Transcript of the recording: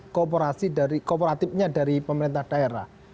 yang kooperatifnya dari pemerintah daerah